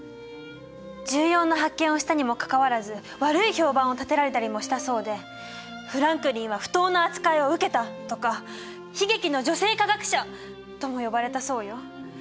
重要な発見をしたにもかかわらず悪い評判をたてられたりもしたそうで「フランクリンは不当な扱いを受けた」とか「悲劇の女性科学者」とも呼ばれたそうよ。